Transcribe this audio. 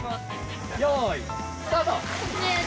よいスタート！